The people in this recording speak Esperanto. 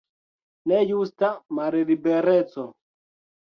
Nejusta mallibereco.